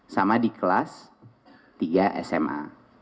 sama di kelas tiga sma